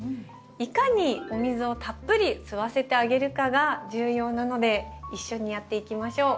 いかにお水をたっぷり吸わせてあげるかが重要なので一緒にやっていきましょう。